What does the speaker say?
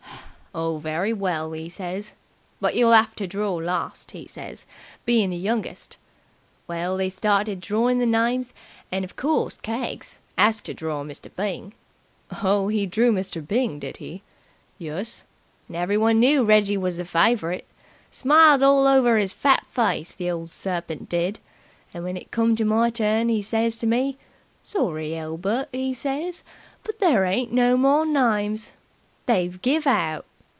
'Oh, very well,' 'e says. 'But you'll 'ave to draw last,' 'e says, 'bein' the youngest.' Well, they started drawing the names, and of course Keggs 'as to draw Mr. Byng." "Oh, he drew Mr. Byng, did he?" "Yus. And everyone knew Reggie was the fav'rit. Smiled all over his fat face, the old serpint did! And when it come to my turn, 'e says to me, 'Sorry, Elbert!' 'e says, 'but there ain't no more names. They've give out!'